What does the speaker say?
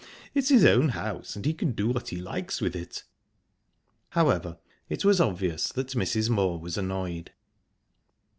It's his own house, and he can do what he likes with it."...However, it was obvious that Mrs. Moor was annoyed.